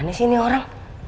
gimana sih ini orang